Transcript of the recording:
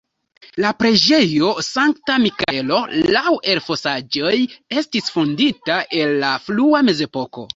La preĝejo Sankta Mikaelo laŭ elfosaĵoj estis fondita en la frua mezepoko.